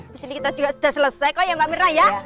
di sini kita juga sudah selesai kok ya mbak mira ya